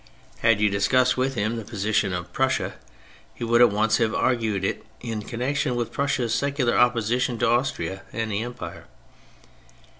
Had 150 THE FRENCH REVOLUTION you discussed with him the position of Prussia he would at once have argued it in connection with Prussia's secular opposition to Austria and the Empire.